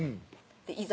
いざ